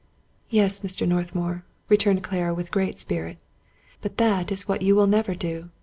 " Yes, Mr. Northmour," returned Clara, with great spirit ;" but that is what you will never do.